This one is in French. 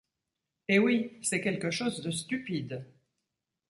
Et oui, c'est quelque chose de stupide.